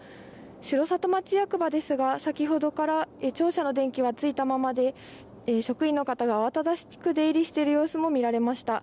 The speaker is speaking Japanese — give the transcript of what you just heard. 城里町役場ですが、先ほどから庁舎の電気はついたままで職員の方が慌ただしく出入りしている様子も見られました。